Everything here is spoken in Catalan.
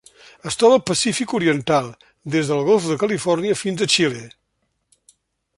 Es troba al Pacífic oriental: des del Golf de Califòrnia fins a Xile.